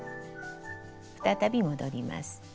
再び戻ります。